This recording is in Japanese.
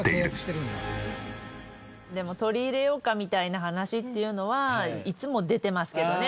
でも取り入れようかみたいな話っていうのはいつも出てますけどね。